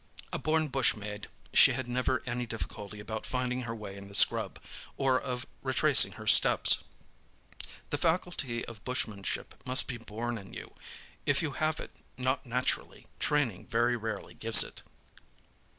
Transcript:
A born bushmaid, she had never any difficulty about finding her way in the scrub, or of retracing her steps. The faculty of bushmanship must be born in you; if you have it not naturally, training very rarely gives it.